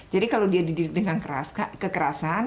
jadi kalau dia didirikan dengan kekerasan